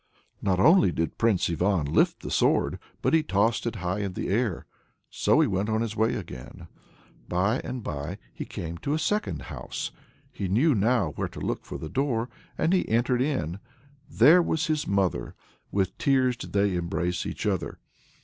Not only did Prince Ivan lift the sword, but he tossed it high in the air. So he went on his way again. By and by he came to a second house. He knew now where to look for the door, and he entered in. There was his mother. With tears did they embrace each other.